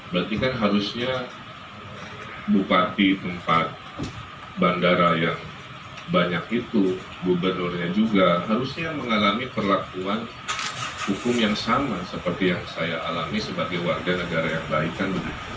berarti kan harusnya bupati tempat bandara yang banyak itu gubernurnya juga harusnya mengalami perlakuan hukum yang sama seperti yang saya alami sebagai warga negara yang baik kan